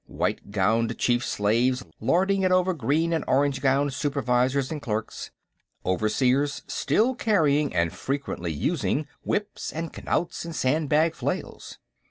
White gowned chief slaves lording it over green and orange gowned supervisors and clerks; overseers still carrying and frequently using whips and knouts and sandbag flails.